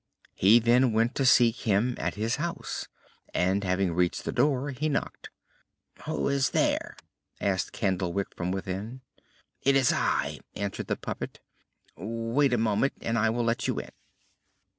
He then went to seek him at his house and, having reached the door, he knocked. "Who is there?" asked Candlewick from within. "It is I!" answered the puppet. "Wait a moment and I will let you in."